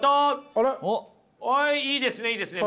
あっいいですねいいですね。